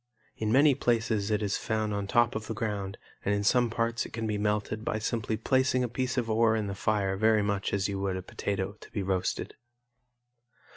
In many places it is found on top of the ground and in some parts it can be melted by simply placing a piece of ore in the fire very much as you would a potato to be roasted.